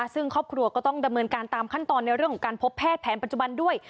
ซึ่งครอบครัวก็ต้องดำเนินการตามขั้นตอนในเรื่องของการพบแพทย์แผนปัจจุบันด้วย